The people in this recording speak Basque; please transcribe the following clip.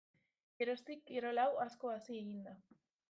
Geroztik kirol hau asko hasi egin da.